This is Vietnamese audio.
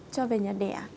cho về nhà đẻ